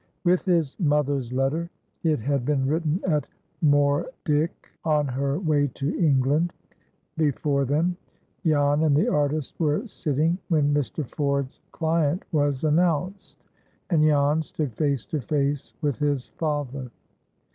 With his mother's letter (it had been written at Moerdyk, on her way to England) before them, Jan and the artist were sitting, when Mr. Ford's client was announced, and Jan stood face to face with his father.